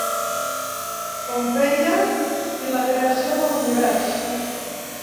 Pompeia i la creació de l'univers.